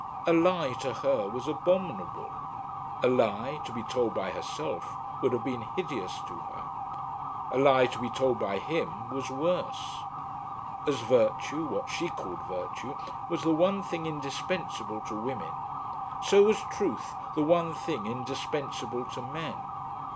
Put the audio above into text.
A lie to her was abominable. A lie, to be told by herself, would have been hideous to her. A lie to be told by him, was worse. As virtue, what she called virtue, was the one thing indispensable to women, so was truth the one thing indispensable to men.